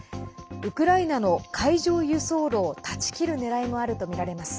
ウクライナの海上輸送路を断ち切るねらいもあるとみられます。